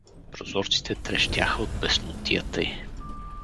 Прозорците трещяха от беснотията й.